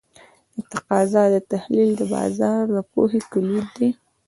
د تقاضا تحلیل د بازار د پوهې کلید دی.